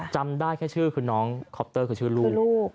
จำได้แค่ชื่อคือน้องคอปเตอร์คือชื่อลูก